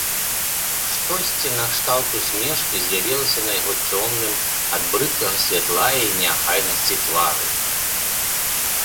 Штосьці накшталт усмешкі з'явілася на яго цёмным ад брыдкага святла і неахайнасці твары.